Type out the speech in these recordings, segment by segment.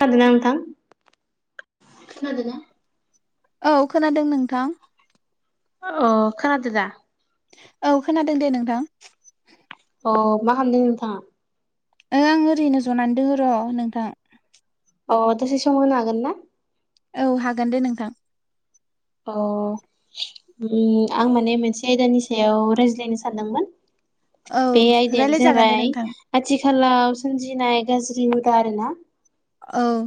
खोनादों ना नोंथां खोनादों ना? औ खोनादों नोंथां? अ खोनादो दा? औ खोनादों दे नोंथां। अ मा खालामदों नोंथाङा? ओं ओरैनो जनानै दोङो र' नोंथां। अ दसे सम होनो हागोन ना? औ हागोन दे नोंथां। अ उम आं माने मोनसे आयदानि सायाव रायज्लायनो सानदोंमोन। औ बे आयदायानो रायलायजागोन दे जाबाय नोंथां आथिखालाव सोमजिनाय गाज्रि हुदा आर ना। औ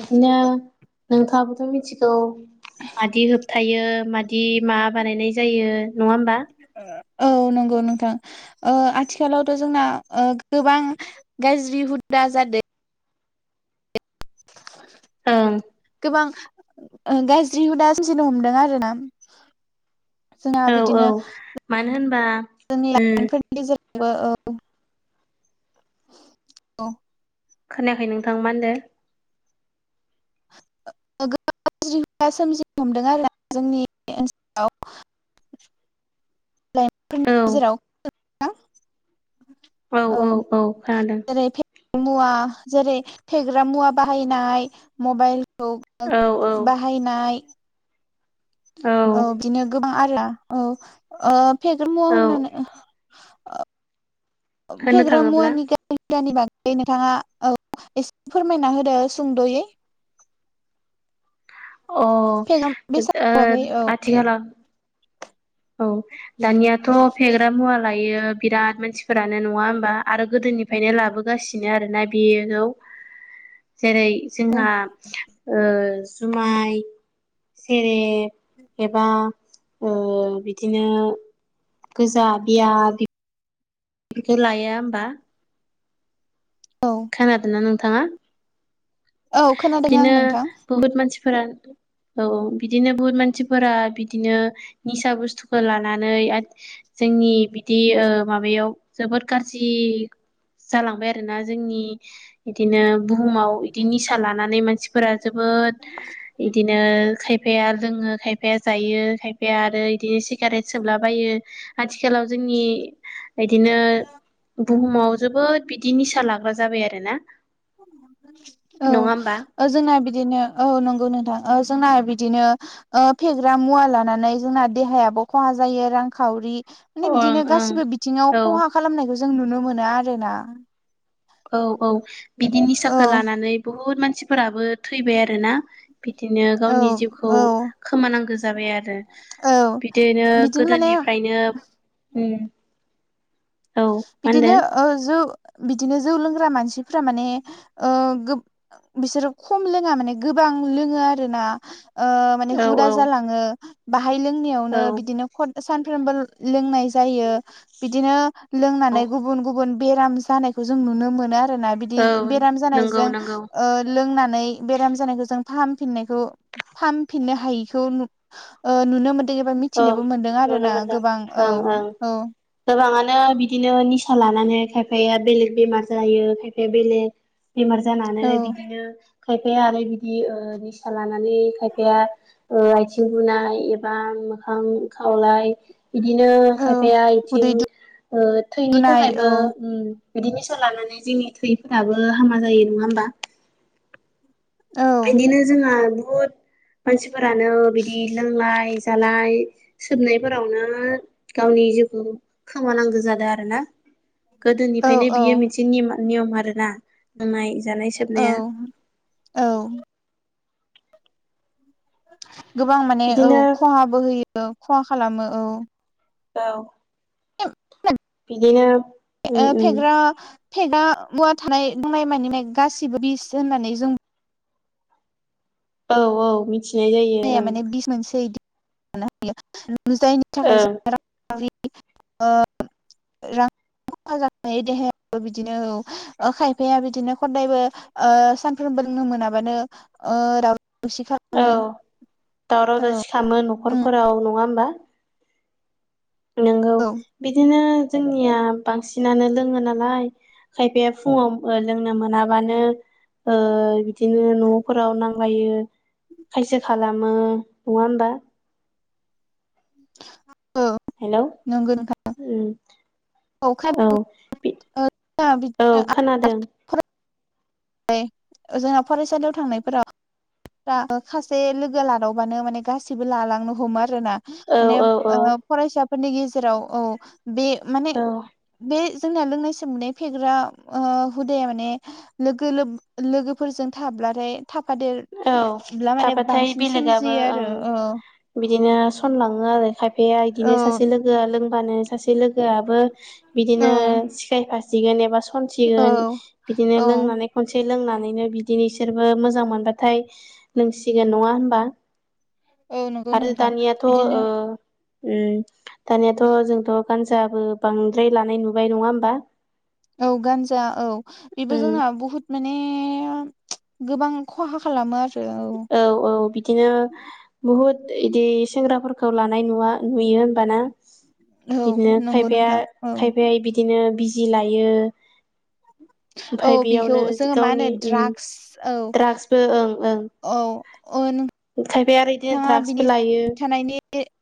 बिदिनो नोंथाङाबोथ' मिथिगौ मादि होबथायो माद बिदि मा बानायनाय जायो नङा होमबा औ नंगौ नोंथां ओ आथिखालावथ' जोंना गोबां गाज्रि हुदा जादों ओं गोबां ओ गाज्रि हुदा सोमजिनो हमदों आरो ना जोंहा औ औ बिदिनो मानो होनबा जोंनि उम लाइमोनफोरनि गेजेरावबो औ खोनायाखै नोंथां मा होनदो? गोबां गाज्रि सोमजिनो हमदों आरो जोंनि ओनसोल औ थां औ जेरै फेग्रा मुवा जेरै फेग्रा मुवा बाहायनाय मबाइल खौ औ औ बाहायनाय औ बिनो गोबां आरो ना औ फेग्रा मुवा औ होननानै ओ होननो फेग्रा थाङोब्ला मुवानि [unintelligible] बागै नोंथाङा औ एसे फोरमायना होदो सुंद'यै अ फेग्रा ओ बेसादनि बागै औ आथिखालाव औ दानियाथ' फेग्रा मुवा लायो। बिराद मानसिफोरानो नङा होमबा आरो गोदोनिफ्रायनो लाबोगासिनो आरोना बेखौ जेरै औ जोंहा ओ जुमाय सेरेप एबा ओ बिदिनो गोजा बियार [inaudible] लाया होमबा औ खोनादों ना नोंथाङा? औ खोनादों आं बिदिनो नोंथां बुहुत मानसिफोरा औ बिदिनो बुहुद मानसिफोरा बिदिनो निसा बुस्थुखौ लानानै आरो जोंनि बिदि ओ माबायाव जोबोद गाज्रि जालांबाय आरोना जोंनि बिदिनो बुहुमाव बिदि निसा लानानै मानसिफोरा जोबोद बिदिनो खायफाया लोंङो खायफाया जायो खायफाया आरो बिदिनो सिगारेट सोबलाबायो। आथिखालाव जोंनि बिदिनो बुहुमाव जोबोद बिदि निसा लाग्रा जाबाय आरो ना औ ओ जोंना बिदिनो औ नंगौ नोंथां ओ जोंना बिदिनो ओ फेग्रा मुवा लानानै जोंना देहायाबो खहा जायो। रांखावरि ओं माने बिदिनो ओं गाससिबो बिथिङाव औ खहा खालामनायखौ जों नुनो मोनो आरो ना औ औ बिदि औ निसाखौ लानानै बहुद मानसिफोराबो थैबाय आरोना बिदिनो औ गावनि जिउखौ औ खोमानांगौ जाबाय आरो औ बिदिनो गोदोनिफ्रायनो औ मा होनदो बिदिनो ओ जौ बिदिनो जौ लोंग्रा मानसिफोरा माने ओ गोब बिसोरो खम लोंङा माने गोबां लोंङो आरो ना ओ माने औ हुदा औ जालाङो बाहाय औ लोंनायावनो बिदिनो सानफ्रोमबो लोंनाय जायो बिदिनो औ लोंनानै गुबुन गुबुन बेराम जानायखौ जों नुनो मोनो आरोना बिदि औ बेराम नंगौ जानायजों नंगौ ओ लोंनानै बेराम जानायखौ जों फाहामफिननायखौ फाहामफिननो हायिखौ नु ओ नुनो मोनदों एबा औ मिथिनोबो मोनदों आरो नुनो ना गोबां औ औ गोबांङानो बिदिनो निसा लानानै खायफाया बेलेग बेमार जायो खायफाया बेलेग बेमार जानानै औ बिदिनो खायफाया आरो बिदि ओ निसा लानानै खायफाया ओ आथिं बुनाय एबा मोखां खावलाय बिदिनो औ खायफाया आथिं उदै ओ थैनि दुनाय औ थाखायबो उम बिदि निसा लानानै जोंनि थैफोराबो हामा जायो नङा होमबा। औ। बेदिनो जोंहा बहुत मानसिफोरानो बिदि लोंनाय जालाय सोबनायफोरावनो गावनि जिउखौ खोमानांगौ जादों आरो ना। औ गोदोनिफ्रायनो औ बियो मोनसे नियम आरोना लोंनाय जानाय सोबनाया औ औ। गोबां माने औ बिदिनो खहाबो होयो खहा खालामो औ। औ। [inaudible] बिदिनो उम ओ उम फेग्रा फेग्रा मुवा थानाय दंनाय माने गासिबो बिस होननानै जों औ - औ मिथिनाय जायो बुंनाया ओं। माने बिस मोनसे [inaudible] जायनि थाखाय ओं जों [inaudible] रां खहा जानाय देहायो बिदिनो औ [unintelligible] खायफाया बिदिनो खदायबो सानफ्रोमबो लोंनो मोनाबानो र खौसि खालामो औ दावराव औ दावसि खालामो उम न'खरफोराव नङा होमबा। नोंगौ औ बिदिनो जोंनिया बांसिनानो लोङो नालाय खायफाया फुङाव ओ लोंनो मोनाबानो ओ बिदिनो न'फोराव नां थगायो खायसे खालामो नङा होमबा। औ। हेल' नोंगौ नोंथां। ओम औ। बि औ [unintelligible] खोनादों। जोंहा फरायसालियाव थांनायफोराव सासे लोगो लादावबानो माने गासिबो लालांनो हमो आरो ना औ माने औ औ ओ फरायसाफोरनि गेजेराव औ बे माने औ बे जोंनाया लोंनायसो मोननाय फेग्रा हुदाया माने लोगो लोगोफोरजों थाब्लाथाय थाफादेर औ ब्ला माने थाबाथाय बांसिन बेलेगाबो सोमजियो ओं आरो अ'। बिदिनो सनलाङो आरो खायफाया औ बिदिनो सासे लोगोआ लों होमबानो सासे लोगोआबो औ बिदिनो सिखायफा गोन एबा सनसिगोन औ बिदिनो औ लों खनसे लोंनानैनो बिदिनो इसोरबो मोजां मोनबा नाथाय लोंसिगोन नङा होनबा। औ नंगौ आरो नोंथां दानियाथ' ओ बिदिनो उम‌ दानियाथ' जोंथ' गानजाबो बांद्राय लानाय नुबाय नङा होमबा। औ गान्जा औ बेबो उम जोंना बुहुत माने गोबां खहा खालामो आरो औ। औ - औ बिदिनो बुहुद बिदि सेंग्राफोरखौ लानाय नुवा नुयो होमबाना औ बिदिनो नंगौ खायफाया नोंथां औ खायफाया बिदिनो बिजि लायो। औ ओमफाय बिखौ बेयावनो जोङो मा होनो गावनि उम द्राग्स औ द्राग्सबो ओं -ओं औ ओ [unintelligible] खायफाया आरो इदिनो द्राग्सबो लायो। [unintelligible]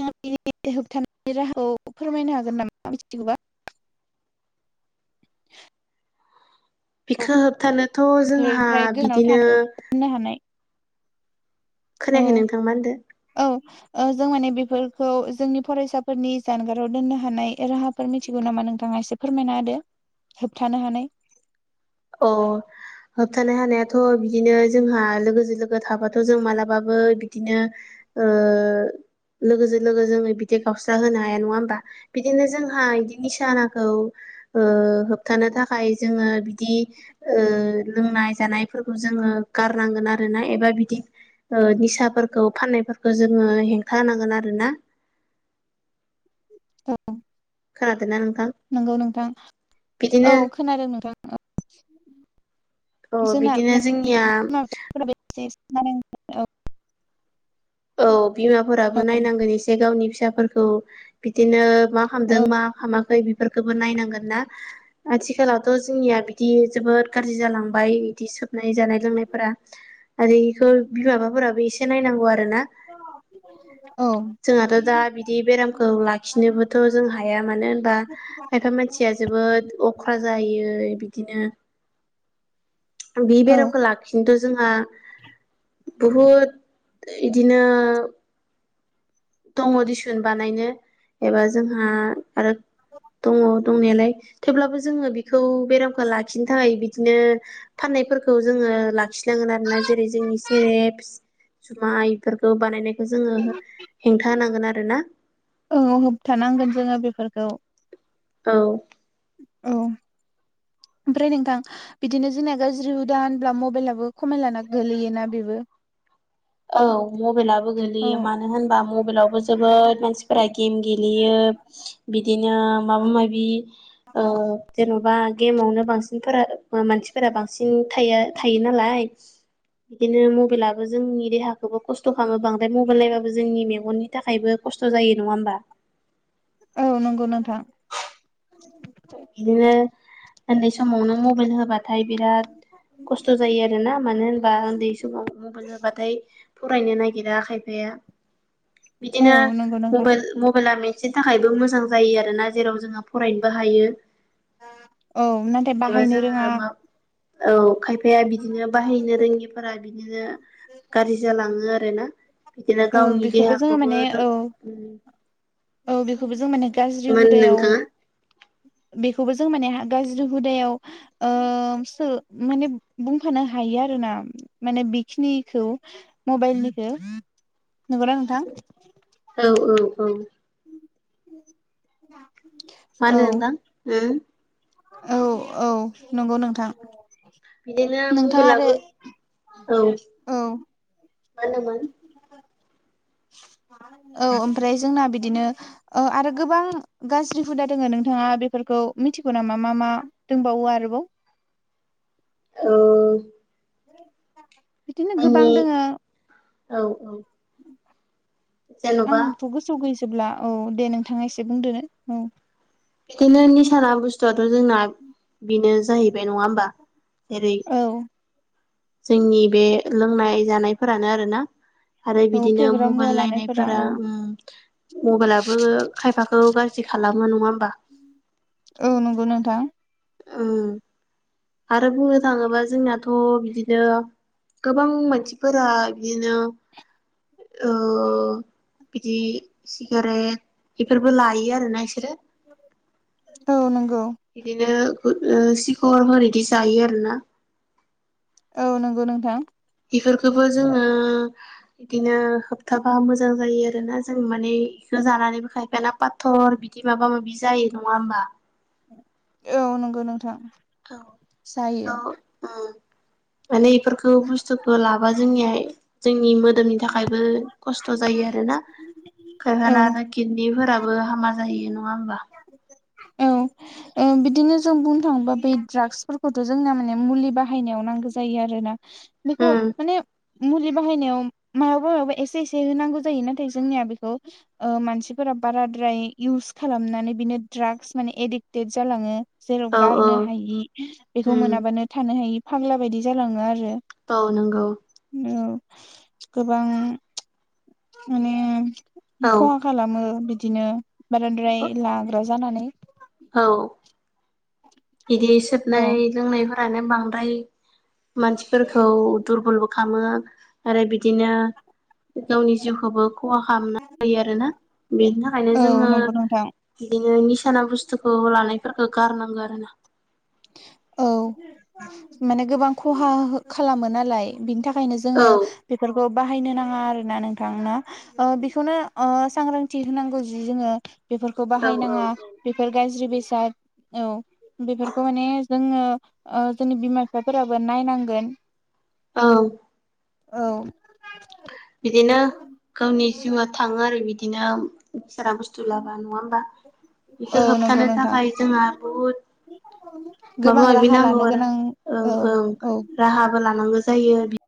[unintelligible] बिनि होबथानायनि राहाखौ फोरमायनो हागोन नामा मिथिगोबा? [unintelligible] औ बिखौ होबथानोथ' जोंहा बिदिनो मोननो हानाय औ खोनायाखायो नोंथां मा होनदो? औ ओ जों माने बेफोरखौ जोंनि फरायसाफोरनि जानगाराव दोननो हानाय राहाफोर मिथिगौ नामा नोंथाङा एसे फोरमायना होदो होबथानो हानाय। औ होबथानो हानायाथ' बिदिनो जोंहा लोगोजो लोगो थाबाथ' जों मालाबाबो बिदिनो ओ लोगोजो लोगो जोङो बिदि गावस्रा होनो हाया नङा होमबा? बिदिनो जोंहा इदि निसानाखौ ओ होबथानो थाखाय जोङो बि दि ओ लोंनाय जानायफोरखौ जोङो गारनांगोन आरो ना एबा बिदि ओ निसाफोरखौ फाननायफोरखो जोङो हेंथा होनांगोन आरो ना। [unintelligible] खोनादोंना नोंथां नोंगौ नोंथां औ बिदिनो खोनादों नोंथां औ औ जोंना बिदिनो बि [unintelligible] जोंनिया [unintelligible] औ [unintelligible] औ बिमाफोराबो औ नायनांगोन एसे गावनि फिसाफोरखौ बिदिनो। मा औ खामदों मा खामाखै बेफोरखौबो नायनांगोन ना। आथिखालावथ' जोंनिया बिदि जोबोद गारजि जालांबाय बिदि सोबनाय जानाय लोंनायफोरा। आरो इखौ बिमाफा फोराबो एसे नायनांगौ आरो ना। औ। जोंहाथ' दा बिदि बेरामखौ लाखिनोबोथ' जों हाया मानो होनबा। खायफा मानसिया जोबोद अख्रा जायो बिदिनो। बे औ बेरामखौ लाखिनोथ' जोंहा बहुद। इदिनो दङ दिसुन बानायनो। एबा जोंहा आरो। दङ दंनायालाय थेवब्लाबो जोङो बिखौ बेरामखौ लाखिनो थाखाय बिदिनो। फाननायफोरखौ जोङो लाखिनांगोन आरोना जेरै जोंनि सेरेप जुमाय। [unintelligible] बानायनायखौ जोङो हेंथा होनांगोन आरोना। औ होबथानांगोन जोङो बेफोरखौ। औ। औ ओमफ्राय नोंथां। बिदिनो जोंनिया गाज्रि हुदा होनब्ला मबाइलाबो खमायलाना गोलैयोना बेबो। औ मबाइलाबो औ गोलैयो मानो होनबा मबाइलावबो जोबोद मानसि। फोरा गेम गेलेयो बिदिनो माबा माबि। ओ जेन'बा गेमावनो बांसिनफोरा हुवा मानसिफोरा बांसिन। थायो थायो नालाय बिदिनो मबेइलाबो जोंनि देहाखौबो खस्थ' खामो बां [unintelligible] मबेइल नायबाबो जोंनि मेगननि थाखायबो खस्थ' जायो नङा होनबा? औ नंगौ नोंथां। इदिनो ओन्दै समावनो मबेइल होबाथाय बिराद खस्थ' जायो आरो। [unintelligible] ना मानो होनबा उन्दै समाव मबेइल होबाथाय फरायनो नागिरा खायफाया। [inaudible] औ बिदिनो नंगौ नोंथां मबेइल मबाइला मोनसेनि थाखायबो मोजां जायो आरोना जेराव जोंहा फरायनो। बो हायो। औ नाथाय एबा बाहायनो रोङा। जोङो मा औ खायफाया बिदिनो बाहायनो रोङिफोरा बिदिनो। गाज्रि जालाङो आरो ना बिदिनो औ गावनि बेखौबो जोङो देहाखौबो माने दुर औ औ बेखौबो जों माने मा गाज्रि होनो हुदायाव नोंथाङा बेखौबो जों माने गाज्रि हुदायाव ओ सो माने बुंफानो हायो आरो ना माने बिखिनिखौ मबाइलनिखो नोंगोना नोंथां? औ औ औ [inaudible] मानो नोंथां [unintelligible] औ औ नंगौ नोंथां। बिदिनो नोंथाङा आरो मबेलाबो औ औ मा होनोमोन औ ओमफ्राय जोंना बिद दिनो ओ आरो गोबां गाज्रि हुदा दोङो नोंथाङा बेफोरखौ मिथिगौ नामा मा मा? दोंबावो आरोबाव औ बिदिनो गोबां आंनि दोङो औ औ जेन'बा आंथ' गोसोआव गैजोबला औ दे नोंथाङा एसे बुंदो औ। बिदिनो निसाना बुस्थुआथ' जोंना बेनो जाहैबाय नङा हबा जेरै औ जोंनि बे लोंनाय जानायफोरानो आरोना। आरो औ बिदिनो फेग्रा मबाइल मुवा लानायफोरा नायनायफोरा औ ओम मबाइलाबो खायफाखौ गाज्रि खालामो नङा होमबा? औ नंगौ नोंथां। ओं आरो बुंनो थाङोबा जोंनाथ' बिदिनो गोबां मानसिफोरा दिनो ओ बिदि सिगारेट बेफोरबो लायो आरोना इसोरो। औ नोंगौ इदिनो ओ सिखर होर इदि जायो आरो ना औ नोंगौ नोंथां इफोरखोबो जोङो इदिनो होबथाबा मोजां जायो आरोना जों माने इखो जानानैबो खायफाना पाथ टर बिदि माबा माबि जायो नङा होमबा? औ नोंगौ नोंथां। औ औ जायो उम माने इफोरखौ बुस्थुखौ लाबा जोंनिहाय जोंनि मोदोमनि थाखायबो खस्थ' जायो आरोना औ खायफाना आरो किदनिफोरा बो हामा जायो नङा होमबा? ओं बिदिनो जों बुंनो थाङोबा बे ड्राग्सफोरखौथ' जोंना माने मुलि बाहायनायाव नांगौ जायो आरो ना। बेख' उम माने मुलि बाहायनायाव मायावबा मायावबा एसे एसे होनांगौ जायो नाथाय जोंनिया बेखौ ओं मानसिफोरा बाराद्राय इउस खालामनानै बिनो ड्राग्स माने एडिक देट जालाङो जेराव औ औ गारनो हायि बेखौ उम मोनाबानो थानो हायि फाग्ला बायदि जालाङो आरो। औ नोंगौ औ गोबां माने औ खहा खालामो बिदिनो बाराद्राय लाग्रा जानानै औ। इदि औ सोबनाय लोंनायफोरानो बांद्राय मानसिफोरखौ दुरबलबो खामो आरो बिदिनो गावनि जिउखौबो खहा खामना लायो आरोना बेनि थाखायनो औ जोङो नंगौ नोंथां बिदिनो निसाना बुस्थुखौ लानायफोरखो गारनांगो आरो ना। औ माने गोबां खहा खालामो नालाय बिनि थाखाय थाखायनो औ जोङो बेफोरखौ बाहायनो नाङा आरोना नोंथां न' ओं बेखौनो ओं सांग्रांथि होनांगौ जि जोङो बेफोरखौ औ औ बाहायनाङा औ बेफोर गाज्रि बेसाद औ बेफोर बेखौ माने जोङो ओं जोंनि बिमा बिफाफोराबो नायनांगोन। औ। औ। बिदिनो गावनि जिउआ थाङो आरो बिदिनो सारा बुस्थु बुस्थु लाबा नङा होमबा औ बेखौ नंगौ होबथानो नोंथां थाखाय जोंहा बहुद माबा गोबां माबि राहा नांगौ लानो आरो गोनां ओं औ ओं औ राहाबो लानांगौ जायो।